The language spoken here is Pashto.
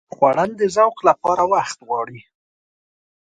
خوړل د ذوق لپاره وخت غواړي